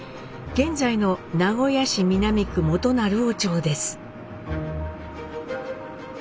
現在の名古屋市南区元鳴尾町です。